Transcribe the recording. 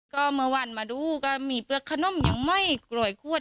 ก็เมื่อวันมาดูก็มีเปลือกขนมยังไม่กล่อยขวด